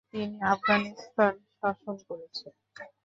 তিনি আফগানিস্তান শাসন করেছেন।